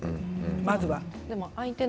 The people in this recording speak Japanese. まずは。